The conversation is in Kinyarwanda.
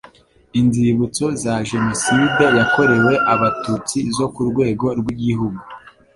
inzibutso za jenoside yakorewe abatutsi zo ku rwego rw igihugu